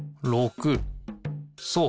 そう。